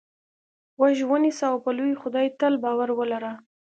غوږ ونیسه او په لوی خدای تل باور ولره.